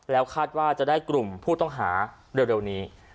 แล้วคาดว่าจะได้กลุ่มผู้ต้องหาเร็วนี้